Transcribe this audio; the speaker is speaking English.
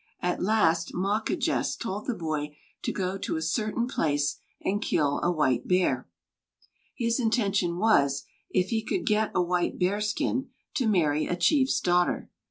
At last Mawquejess told the boy to go to a certain place and kill a white bear. His intention was, if he could get a white bear skin, to marry a chief's daughter.